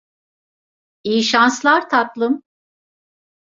İyi şanslar, tatlım.